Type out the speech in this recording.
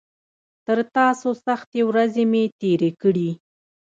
تر تاسو سختې ورځې مې تېرې کړي.